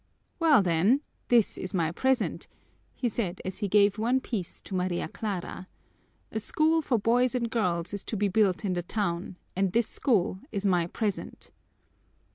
"Well then, this is my present," he said as he gave one piece to Maria Clara. "A school for boys and girls is to be built in the town and this school is my present."